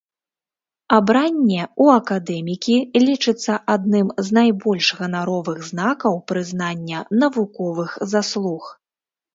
Абранне ў акадэмікі лічыцца адным з найбольш ганаровых знакаў прызнання навуковых заслуг.